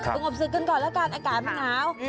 มอบศึกกันก่อนแล้วกันอากาศมันหนาว